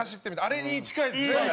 あれに近いですね。